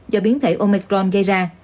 do biến thể omicron gây ra